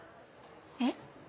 えっ？